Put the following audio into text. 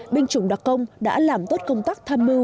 binh chủng đặc công đã làm tốt công tác tham mưu